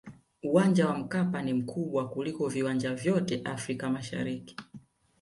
uwanja wa mkapa ni mkubwa kuliko viwanja vyote afrika mashariki